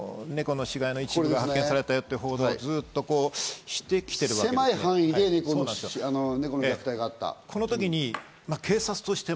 ２か月前くらいからですかね、猫の死骸の一部が発見されたよという報道をずっとしてきてるわけ狭い範囲で猫の虐待があった。